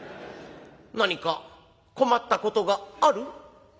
何か困ったことがある？